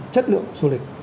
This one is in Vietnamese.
chất lượng du lịch